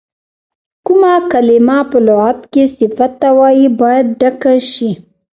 کومه کلمه په لغت کې صفت ته وایي باید ډکه شي.